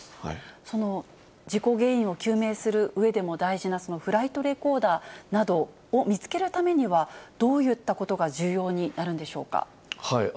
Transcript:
その事故原因を究明するうえでも大事なフライトレコーダーなどを見つけるためには、どういったことが重要になるんでしょうか。